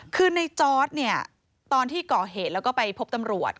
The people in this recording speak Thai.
คือในจอร์ดเนี่ยตอนที่ก่อเหตุแล้วก็ไปพบตำรวจ